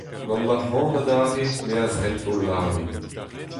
Gant va c'han adarre me az rento laouen.